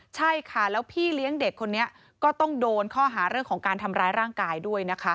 ใช่ค่ะแล้วพี่เลี้ยงเด็กคนนี้ก็ต้องโดนข้อหาเรื่องของการทำร้ายร่างกายด้วยนะคะ